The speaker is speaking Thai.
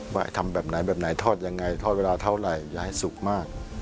ว่าทำแบบไหนแบบไหนทอดยังไงทอดเวลาเท่าไหร่อย่าให้สุกมาก